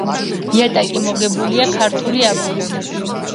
იატაკი მოგებულია ქართული აგურით.